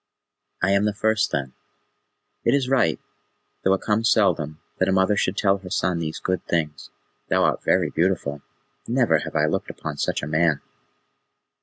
"I am the first, then? It is right, though it comes seldom, that a mother should tell her son these good things. Thou art very beautiful. Never have I looked upon such a man."